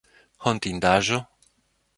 Hontindaĵo?